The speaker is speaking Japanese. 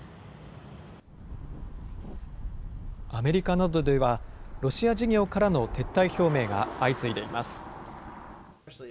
アメリカなどでは、ロシア事業からの撤退表明が相次いでいます。